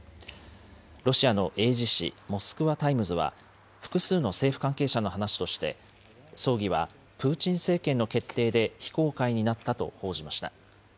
ロシアの英字紙、モスクワ・タイムズは、複数の政府関係者の話として、葬儀はプーチン政権の決定で、非公開になったと報じました。